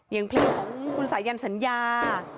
อย่างพี่ของคุณสายันสัญญา